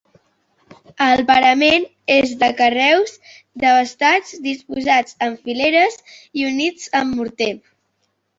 El parament és de carreus desbastats, disposats en fileres i units amb morter.